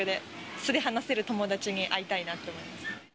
素で話せる友達に会いたいなと思いました。